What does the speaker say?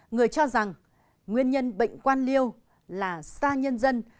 người cho rằng nguyên nhân bệnh quan liêu là xa nhân dân